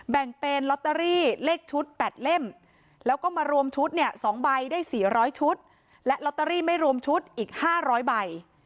แบ่งเป็นลอตเตอรี่เลขชุด๘เล่มแล้วก็มารวมชุดเนี่ย๒ใบได้๔๐๐ชุดและลอตเตอรี่ไม่รวมชุดอีก๕๐๐ใบ